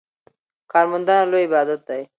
کارموندنه لوی عبادت دی.